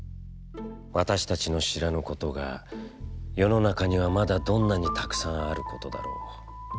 私達の知らぬことが世の中には、まだどんなに沢山あることだらう。